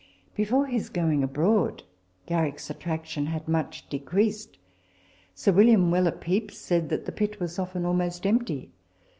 Before his going abroad, Garrick's attraction had much decreased ; Sir William Weller Pepys said that the pit was often almost empty.